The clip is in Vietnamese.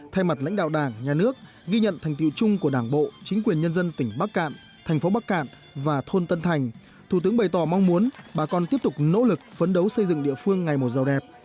thay mặt lãnh đạo đảng nhà nước ghi nhận thành tiệu chung của đảng bộ chính quyền nhân dân tỉnh bắc cạn thành phố bắc cạn và thôn tân thành thủ tướng bày tỏ mong muốn bà con tiếp tục nỗ lực phấn đấu xây dựng địa phương ngày một giàu đẹp